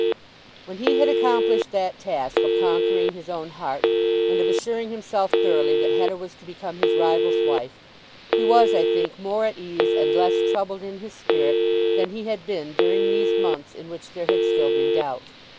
When he had accomplished that task of conquering his own heart and of assuring himself thoroughly that Hetta was to become his rival's wife, he was, I think, more at ease and less troubled in his spirit than he had been during those months in which there had still been doubt.